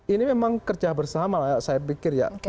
ini memang kerja bersama lah saya pikir ya